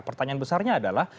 pertanyaan besarnya adalah